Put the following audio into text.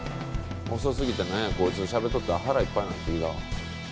遅すぎてなんやこいつとしゃべっとったら腹いっぱいになってきたわ。